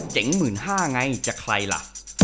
เจ๋ง๑๕๐๐๐ไงจะใครล่ะ